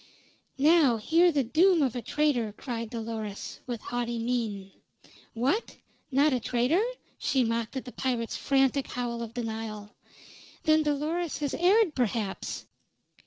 "Now hear the doom of a traitor!" cried Dolores, with haughty mien. "What! Not a traitor?" she mocked at the pirate's frantic howl of denial. "Then Dolores has erred, perhaps.